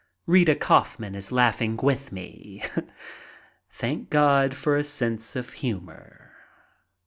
Rita Kaufman is laughing with me. Thank heaven for a sense of humor.